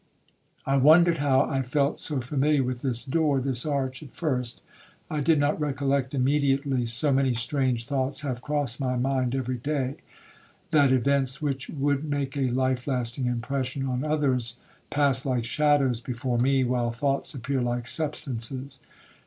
I wondered how I felt so familiar with this door, this arch, at first.—I did not recollect immediately, so many strange thoughts have crossed my mind every day, that events which would make a life lasting impression on others, pass like shadows before me, while thoughts appear like substances.